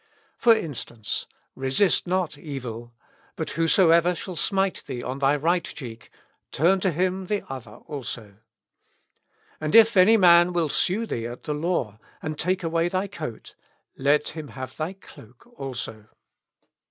For instance : "Resist not evil ; but whosoever shall smite thee on thy right cheek, turn to him the other also. And if any man will sue thee at the law, and take away thy coat, let him have thy cloak also.